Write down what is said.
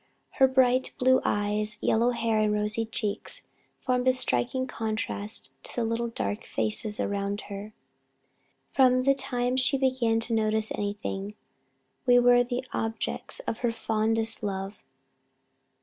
Her bright blue eyes, yellow hair, and rosy cheeks, formed a striking contrast to the dark little faces around her.... From the time she began to notice anything, we were the objects of her fondest love.